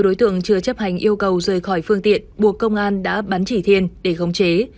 đối tượng chưa chấp hành yêu cầu rời khỏi phương tiện buộc công an đã bắn chỉ thiên để khống chế